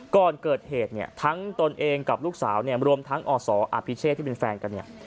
ก่อนเกิดเหตุเนี่ยทั้งตนเองกับลูกสาวเนี่ยรวมทั้งอศอภิเชษที่เป็นแฟนกันเนี่ย